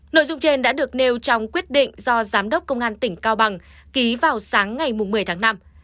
nội dung trên đã được nêu trong quyết định do giám đốc công an tỉnh cao bằng ký vào sáng ngày một mươi tháng năm